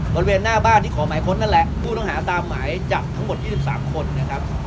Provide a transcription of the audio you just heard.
บริเวณหน้าบ้านที่ขอหมายค้นนั่นแหละผู้ต้องหาตามหมายจับทั้งหมด๒๓คนนะครับ